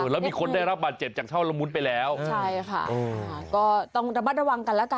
แล้วมีคนได้รับบัญเจแจกเช่าระมุนไปแล้ว